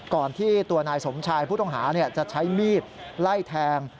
ก่อนที่ตัวนายสมชายผู้ต้องหาจะใช้มีดไล่แทง